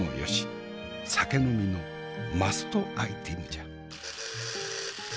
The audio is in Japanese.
酒呑みのマストアイテムじゃ。